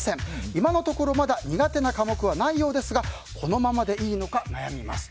今のところまだ苦手な科目はないようですがこのままでいいのか、悩みます。